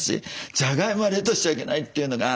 じゃがいもは冷凍しちゃいけないというのが。